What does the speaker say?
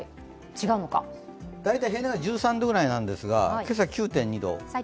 大体平年は１３度くらいなんですが、今朝、９．２度。